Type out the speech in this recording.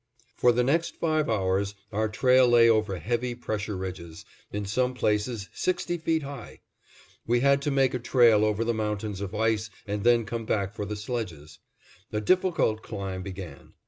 For the next five hours our trail lay over heavy pressure ridges, in some places sixty feet high. We had to make a trail over the mountains of ice and then come back for the sledges. A difficult climb began.